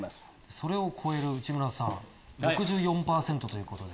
それを超える内村さん６４％ということで。